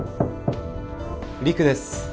陸です。